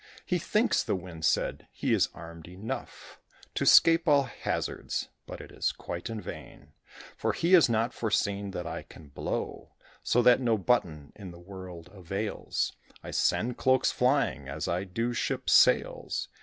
"He thinks," the Wind said, "he is armed enough To 'scape all hazards; but it's quite in vain, For he has not foreseen that I can blow, So that no button in the world avails: I send cloaks flying as I do ships' sails.